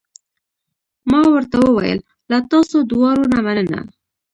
ما ورته وویل: له تاسو دواړو نه مننه.